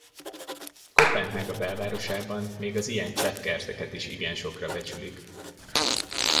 Koppenhága belvárosában még az ilyen csepp kerteket is igen sokra becsülik.